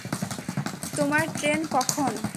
তোমার ট্রেন কখন?